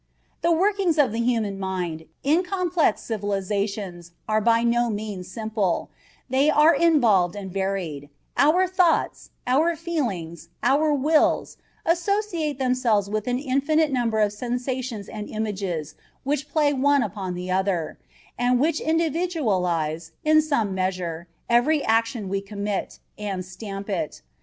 The workings of the human mind, in complex civilizations, are by no means simple; they are involved and varied: our thoughts, our feelings, our wills, associate themselves with an infinite number of sensations and images which play one upon the other, and which individualize, in some measure, every action we commit, and stamp it.